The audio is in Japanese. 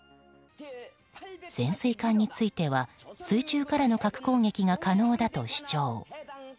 潜水艦については水中からの核攻撃が可能だと主張。